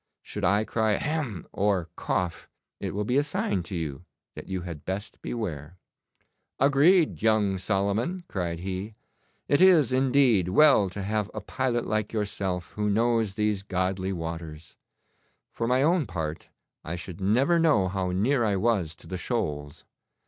Should I cry "hem!" or cough, it will be a sign to you that you had best beware.' 'Agreed, young Solomon!' cried he. 'It is, indeed, well to have a pilot like yourself who knows these godly waters. For my own part, I should never know how near I was to the shoals.